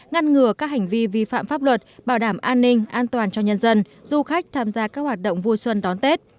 ngăn ngừa các hành vi vi phạm pháp luật bảo đảm an ninh an toàn cho nhân dân du khách tham gia các hoạt động vui xuân đón tết